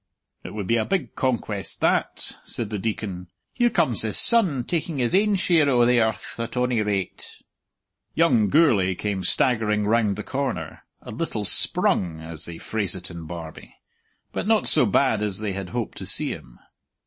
"It would be a big conquest that!" said the Deacon. "Here comes his son, taking his ain share o' the earth, at ony rate." Young Gourlay came staggering round the corner, "a little sprung" (as they phrase it in Barbie), but not so bad as they had hoped to see him.